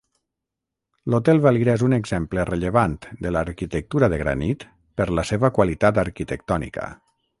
L'Hotel Valira és un exemple rellevant de l'arquitectura de granit per la seva qualitat arquitectònica.